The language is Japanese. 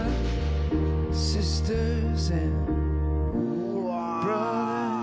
うわ！